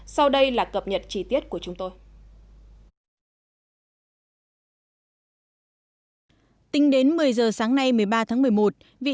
sau đây là cập nhật chi tiết của chúng tôi